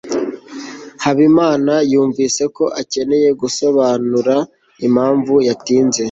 habimana yumvise ko akeneye gusobanura impamvu yatinze